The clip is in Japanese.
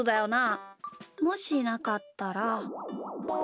もしなかったら。